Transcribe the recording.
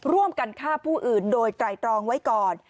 ร่วมกันฆ่าผู้อื่นโดยไตรตรองไว้ก่อน